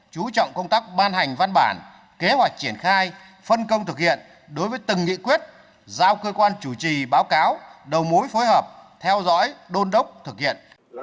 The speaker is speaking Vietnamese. chú trọng công tác ban hành văn bản kế hoạch triển khai phân công thực hiện đối với từng nghị quyết giao cơ quan chủ trì báo cáo đầu mối phối hợp theo dõi đôn đốc thực hiện